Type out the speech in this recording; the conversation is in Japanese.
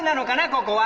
ここは